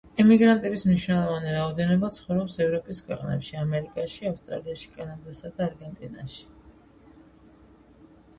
ემიგრანტების მნიშვნელოვანი რაოდენობა ცხოვრობს ევროპის ქვეყნებში, ამერიკაში, ავსტრალიაში, კანადასა და არგენტინაში.